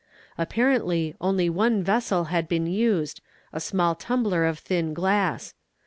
Apparently only one vessel had been used—a small tumbler of thin glass.